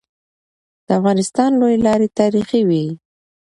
د افغانستان لويي لاري تاریخي وي.